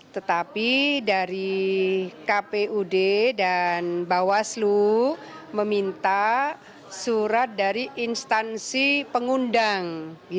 tetapi dari kpud dan bawaslu meminta surat dari instansi pengundang